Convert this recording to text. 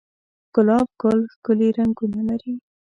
گلاب گل ښکلي رنگونه لري